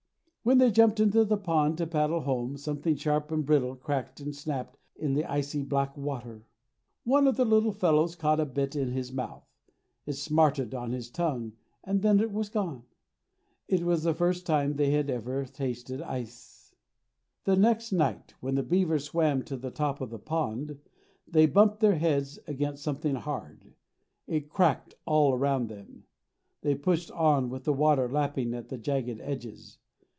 When they jumped into the pond to paddle home something sharp and brittle cracked and snapped in the icy black water. One of the little fellows caught a bit in his mouth. It smarted on his tongue and then it was gone. It was the first time that he had ever tasted ice. The next night, when the beavers swam to the top of the pond, they bumped their heads against something hard. It cracked all around them. They pushed on, with the water lapping at the jagged edges.